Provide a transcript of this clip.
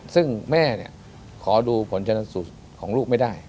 ซึ่งแม่ขอดูผลชนสูตรของลูกไม่ได้